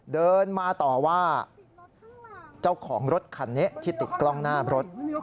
เดินมาต่อว่าเจ้าของรถคันนี้ที่ติดกล้องหน้ารถ